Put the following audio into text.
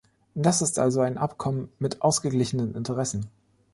Das ist also ein Abkommen mit ausgeglichenen Interessen.